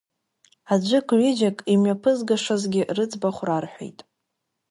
Аӡәык-ҩыџьак имҩаԥызгашазгьы рыӡбахә рарҳәеит.